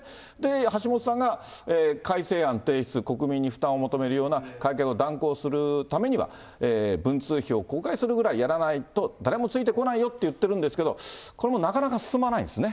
橋下さんが、改正案提出、国民に負担を求めるような改革を断行するためには、文通費を公開するぐらいやらないと、誰もついてこないよって言ってるんですけど、これもなかなか進まないんですね。